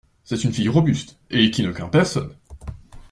C'est une fille robuste, et qui ne craint personne!